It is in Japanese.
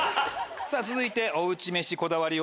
さぁ続いておうち飯こだわり女